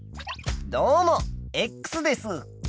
どうもです。